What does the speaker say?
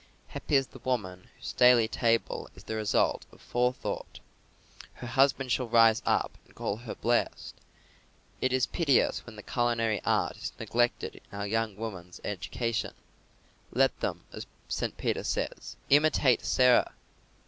Happy is the woman whose daily table is the result of forethought. Her husband shall rise up and call her blessed. It is piteous when the culinary art is neglected in our young women's education. Let them, as St. Peter says, imitate Sarah.